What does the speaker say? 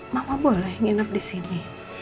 mama boleh nginep disini